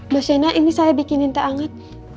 mbak sienna ini saya bikinin teh anget